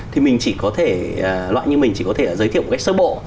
thì mình chỉ có thể loại như mình chỉ có thể giới thiệu một cách sơ bộ